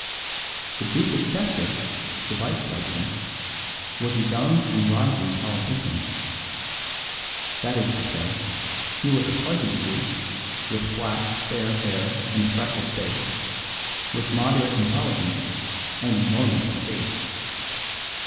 The Duke of Chester, the vice president, was a young and rising politician. That is to say, he was a pleasant youth, with flat, fair hair and a freckled face, with moderate intelligence and enormous estates.